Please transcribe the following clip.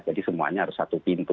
jadi semuanya harus satu pintu